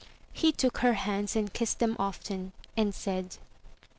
He took her hands and kissed them often, and said.